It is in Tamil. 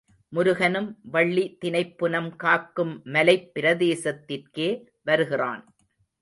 முருகனும் வள்ளி தினைப்புனம் காக்கும் மலைப் பிரதேசத்திற்கே வருகிறான்.